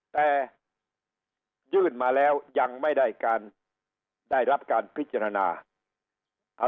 แต่ยื่นมาแล้วยังไม่ได้การได้รับการพิจารณา